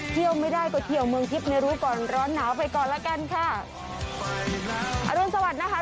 เที่ยวไม่ได้ก็เที่ยวเมืองทิพย์ในรู้ก่อนร้อนหนาวไปก่อนละกันค่ะอรุณสวัสดิ์นะคะ